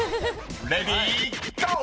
［レディーゴー！］